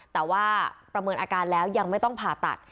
แต่ว่าประเมินอาการแล้วยังไม่ต้องผ่าตัด